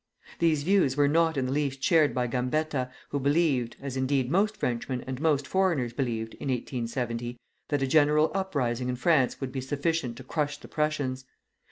These views were not in the least shared by Gambetta, who believed as, indeed, most Frenchmen and most foreigners believed in 1870 that a general uprising in France would be sufficient to crush the Prussians.